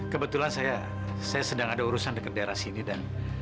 kebetulan saya sedang ada urusan dekat daerah sini dan